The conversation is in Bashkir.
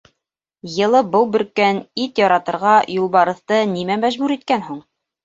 Йылы быу бөрккән ит яратырға Юлбарыҫты нимә мәжбүр иткән һуң?